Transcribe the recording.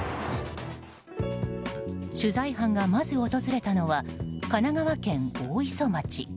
取材班がまず訪れたのは神奈川県大磯町。